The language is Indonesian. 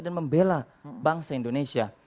ya lah bangsa indonesia